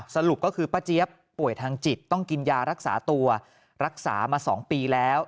สรุปก็คือป้าเจี๊ยบป่วยทางจิตต้องกินยารักษาตัวรักษามา๒ปีแล้ว